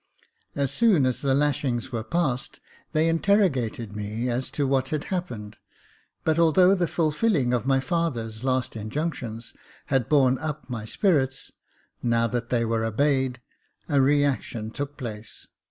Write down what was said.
As soon as the lashings were passed, they in terrogated me as to what had happened, but although the fulfilling of my father's last injunctions had borne up my 12 Jacob Faithful spirits, now that they were obeyed a reaction took place.